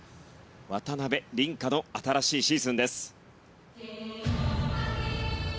渡辺倫果の新しいシーズンです。